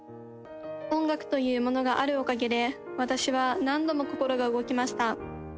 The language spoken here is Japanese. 音楽というものがあるおかげで私は何度も心が動きました。